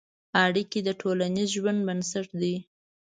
اړیکې د ټولنیز ژوند بنسټ دي.